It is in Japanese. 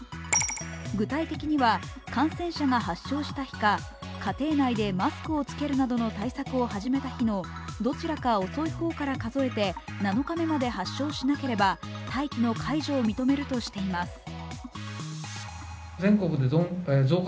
具体的には、感染者が発症した日か家庭内でマスクを着けるなどの対策を始めた日のどちらか遅い方から数えて７日まで発症しなければ待機の解除を認めるとしています。